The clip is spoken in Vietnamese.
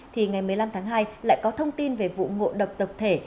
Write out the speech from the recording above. thì ngày một mươi năm tháng hai lại có thông tin về vụ ngộ độc tập thể